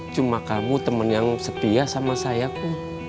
cuma kamu temen yang setia sama saya ku